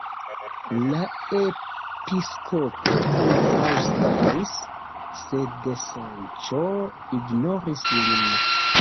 La episkopo kontraŭstaris, sed Sanĉo ignoris lin.